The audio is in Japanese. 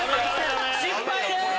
失敗です！